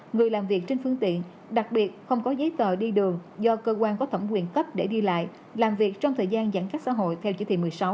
người làm việc trên phương tiện đặc biệt không có giấy tờ đi đường do cơ quan có thẩm quyền cấp để đi lại làm việc trong thời gian giãn cách xã hội theo chỉ thị một mươi sáu